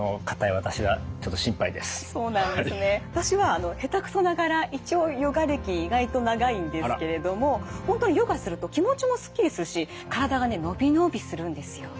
私は下手くそながら一応ヨガ歴意外と長いんですけれども本当にヨガすると気持ちもすっきりするし体がね伸び伸びするんですよ。